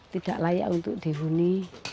tidak layak untuk dihuni